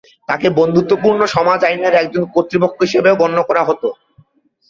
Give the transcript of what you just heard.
তাঁকে 'বন্ধুত্বপূর্ণ সমাজ আইনের একজন কর্তৃপক্ষ' হিসেবেও গণ্য করা হতো।